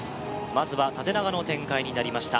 まずは縦長の展開になりました